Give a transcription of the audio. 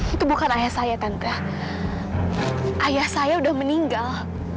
itu bukan ayah saya tandra ayah saya udah meninggal